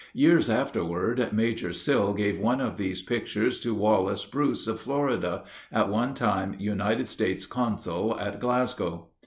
Years afterward Major Sill gave one of these pictures to Wallace Bruce of Florida, at one time United States consul at Glasgow.